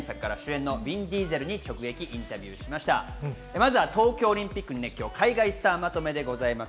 まずは東京オリンピックの熱狂、海外スターまとめです。